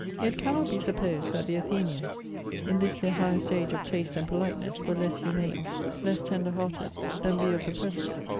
It cannot be supposed, that the Athenians, in this their highest age of taste and politeness, were less humane, less tender hearted, than we of the present.